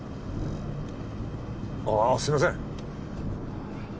あぁすみません。